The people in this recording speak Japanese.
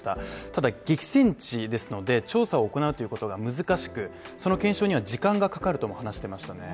ただ、激戦地ですので、調査を行うということが難しくその検証には時間がかかるとも話していましたね。